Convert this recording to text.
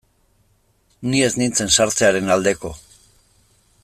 Ni ez nintzen sartzearen aldeko.